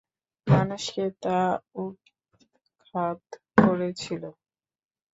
মানুষকে তা উৎখাত করেছিল।